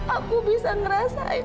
aku bisa merasakan kalau tuhan masih hidup